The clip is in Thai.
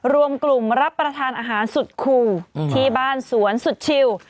รวมกลุ่มรับประทานอาหารสุดคู่ที่บ้านสวนสุดชิว